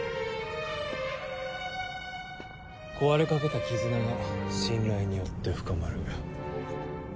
壊れかけた絆が信頼によって深まる。